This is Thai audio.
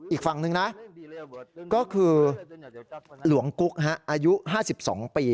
อีกฝั่งนึงนะก็คือหลวงกุ๊กอายุ๕๒ปี